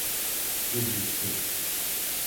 Bu bir sır.